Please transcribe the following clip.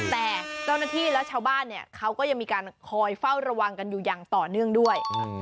แต่เจ้าหน้าที่และชาวบ้านเนี่ยเขาก็ยังมีการคอยเฝ้าระวังกันอยู่อย่างต่อเนื่องด้วย